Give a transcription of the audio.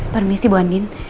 permisi bu andin